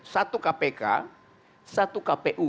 satu kpk satu kpu